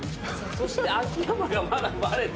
そして秋山がまだバレてない。